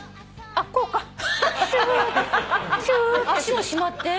足もしまって？